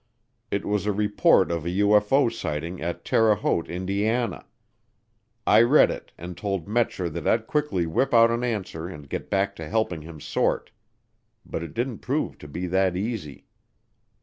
It was a report of a UFO sighting at Terre Haute, Indiana. I read it and told Metscher that I'd quickly whip out an answer and get back to helping him sort. But it didn't prove to be that easy.